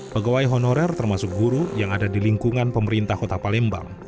pegawai honorer termasuk guru yang ada di lingkungan pemerintah kota palembang